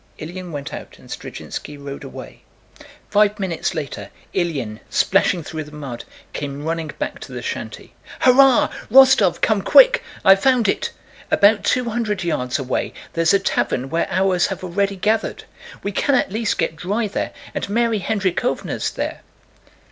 Ilyín went out and Zdrzhinski rode away. Five minutes later Ilyín, splashing through the mud, came running back to the shanty. "Hurrah! Rostóv, come quick! I've found it! About two hundred yards away there's a tavern where ours have already gathered. We can at least get dry there, and Mary Hendríkhovna's there."